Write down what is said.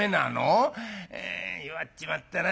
「弱っちまったな。